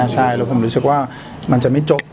ใช่แล้วผมรู้สึกว่ามันจะไม่จบ